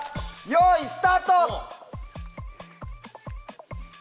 よいスタート！